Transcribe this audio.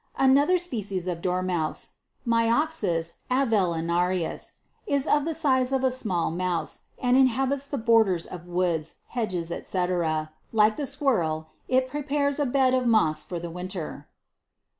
32. Another species of Dormouse, Myoxus .fluellanarius, is of the size of a small mouse, and inhabits the borders of woods, hedges, &c.; like the squirrel, it prepares a bed of moss for the winter.